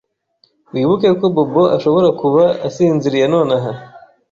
Wibuke ko Bobo ashobora kuba asinziriye nonaha.